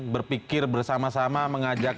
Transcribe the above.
berpikir bersama sama mengajak